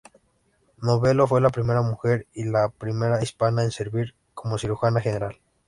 Novello fue la primera mujer y la primera hispana en servir como Cirujana General.